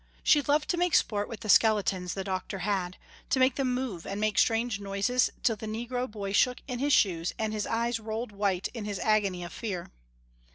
She loved to make sport with the skeletons the doctor had, to make them move and make strange noises till the negro boy shook in his shoes and his eyes rolled white in his agony of fear.